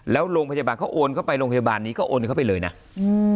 แล้วโรงพยาบาลเขาโอนเข้าไปโรงพยาบาลนี้ก็โอนเข้าไปเลยน่ะอืม